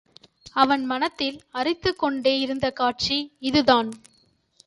அவன் மனத்தில் அரித்துக் கொண்டே இருந்த காட்சி இதுதான்.